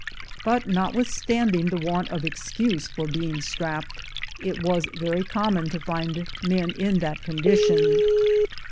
But notwithstanding the want of excuse for being "strapped," it was very common to find men in that condition.